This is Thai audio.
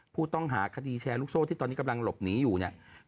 ผู้ต้องหาคดีแชร์ลูกโซ่ที่ตอนนี้กำลังหลบหนีอยู่เนี่ย